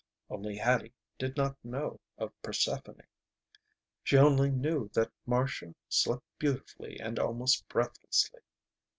Only Hattie did not know of Persephone. She only knew that Marcia slept beautifully and almost breathlessly.